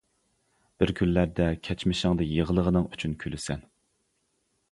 بىر كۈنلەردە كەچمىشىڭدە يىغلىغىنىڭ ئۈچۈن كۈلىسەن.